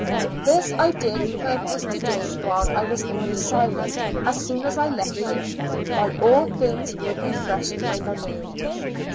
This I did purpose to do while I was in the asylum, as soon as I left it, while all things would be fresh in my memory.